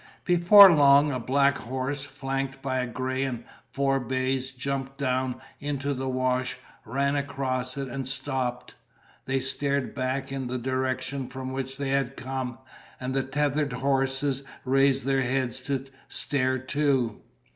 Before long a black horse, flanked by a gray and four bays, jumped down into the wash, ran across it, and stopped. They stared back in the direction from which they had come, and the tethered horses raised their heads to stare too.